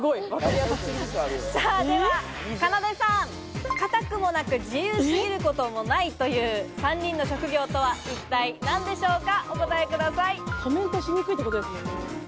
では、かなでさん、堅くもなく、自由過ぎることもないという３人の職業とは一体何で翻訳家。